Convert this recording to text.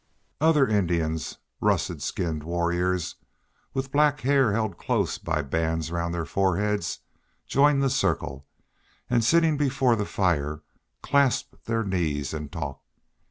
Other Indians, russet skinned warriors, with black hair held close by bands round their foreheads, joined the circle, and sitting before the fire clasped their knees and talked.